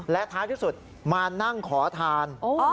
และท้ายที่สุดมานั่งขอทาน